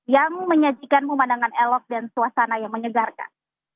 yang menyajikan pemandangan elok dan suasana yang menyegarkan